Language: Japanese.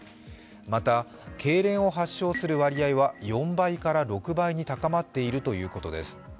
またけいれんを発症する割合は４倍から６倍に高まっているということです。